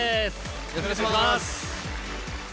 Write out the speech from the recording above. よろしくお願いします。